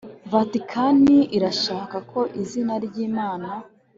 vatikani irashaka ko izina ry imana